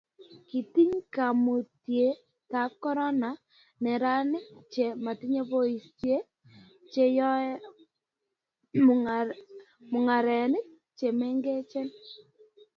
kitiny kaimutietab korona neranik che matinyei boisie, che yoe mung'arenik che mengechen